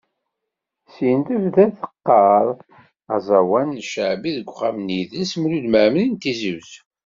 Syin tebda teqqar aẓawan n cceɛbi deg Uxxam n yidles Mulud Mɛemmeri n Tizi Uzzu.